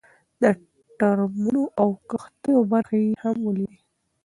د ټرمونو او کښتیو برخې یې هم ولیدې.